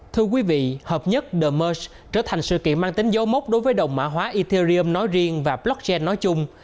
thưa quý vị hợp nhất the mers trở thành sự kiện mang tính dấu mốc đối với đồng mã hóa italym nói riêng và blockchain nói chung